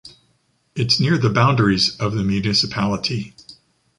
It’s near the boundaries of the municipality.